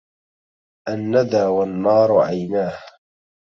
الندى والنار عيناه،